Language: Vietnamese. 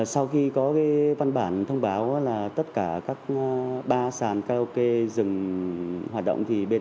sau khi có văn bản thông báo là tất cả các ba sàn karaoke dừng hoạt động